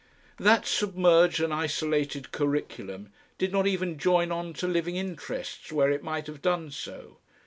That submerged and isolated curriculum did not even join on to living interests where it might have done so.